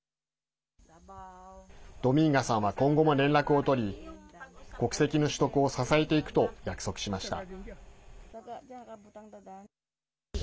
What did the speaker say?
ドミンガさんは今後も連絡を取り国籍の取得を支えていくと約束しました。